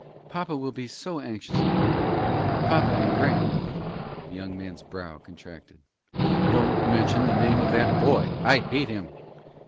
"Papa will be so anxious about me papa and Grant!" The young man's brow contracted. "Don't mention the name of that boy! I hate him."